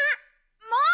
もう！